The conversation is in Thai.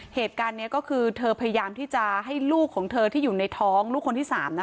เหตุการณ์นี้ก็คือเธอพยายามที่จะให้ลูกของเธอที่อยู่ในท้องลูกคนที่๓